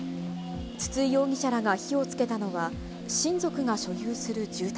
筒井容疑者らが火をつけたのは、親族が所有する住宅。